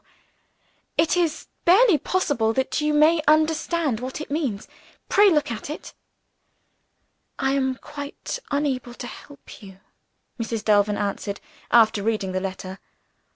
It is barely possible that you may understand what it means. Pray look at it." "I am quite unable to help you," Mrs. Delvin answered, after reading the letter.